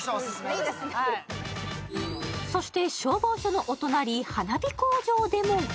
そして消防署のお隣花火工場でも。